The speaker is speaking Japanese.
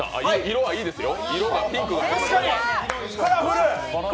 色はいいですよ。